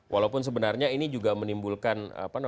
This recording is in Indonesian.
walaupun sebenarnya ini juga menimbulkan